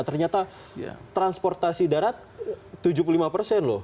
ternyata transportasi darat tujuh puluh lima persen loh